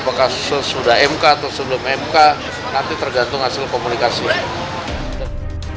pertemuan pdi pdi megawati soekarno putri menyebutkan bahwa perjalanan dari pdi pdi ke pdi pdi itu berjalan terus